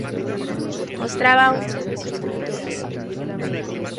Mostraba once de sus pinturas.